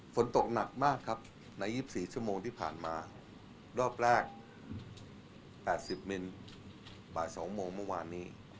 ฝนตกหนักมากครับใน๒๔ชั่วโมงที่ผ่านมารอบแรก๘๐เมตรบ่าย๒โมงเมื่อวานนี้